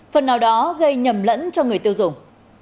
phần nào đó gây nhầm lẫn cho người tiêu dùng